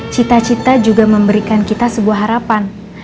cita cita juga memberikan kita sebuah harapan